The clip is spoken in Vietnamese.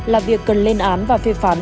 là việc cần lên án và phê phán